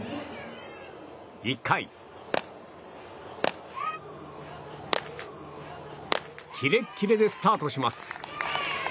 １回キレッキレでスタートします。